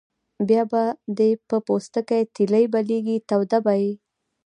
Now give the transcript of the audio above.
بیا به دې په پوستکي تیلی بلېږي توده به یې.